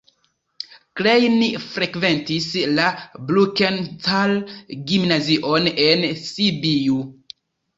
Klein frekventis la Brukenthal-gimnazion en Sibiu.